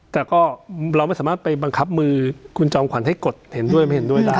แต่ก็เราไม่สามารถไปบังคับมือคุณจอมขวัญให้กฎเห็นด้วยไม่เห็นด้วยได้